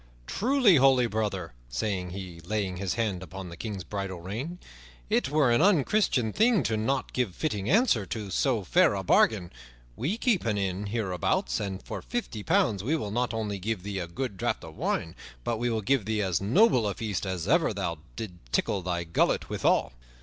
"Truly, holy brother," said he, laying his hand upon the King's bridle rein, "it were an unchristian thing to not give fitting answer to so fair a bargain. We keep an inn hereabouts, and for fifty pounds we will not only give thee a good draught of wine, but will give thee as noble a feast as ever thou didst tickle thy gullet withal."